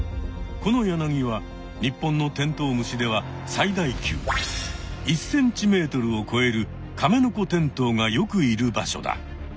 このヤナギは日本のテントウムシでは最大級１ｃｍをこえるカメノコテントウがよくいる場所だ。